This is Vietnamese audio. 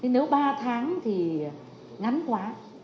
nếu ba tháng thì ngắn quá